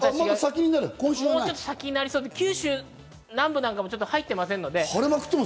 もうちょっと先になりそうで、九州南部もまだ入ってませんので。